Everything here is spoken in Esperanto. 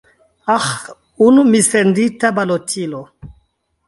Aĥ, unu missendita balotilo.